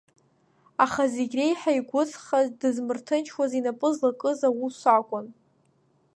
Аха зегь реиҳа игәыҵхаз, дызмырҭынчуаз инапы злакыз аус акәын.